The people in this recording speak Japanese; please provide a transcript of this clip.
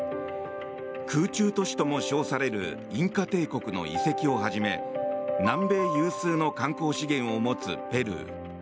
空中都市とも称されるインカ帝国の遺跡をはじめ南米有数の観光資源を持つペルー。